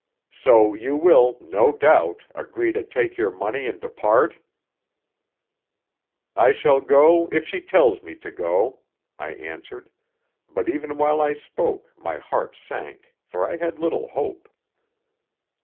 So you will, no doubt, agree to take your money and depart?" "I shall go if she tells me to go," I answered; but even while I spoke my heart sank, for I had little hope.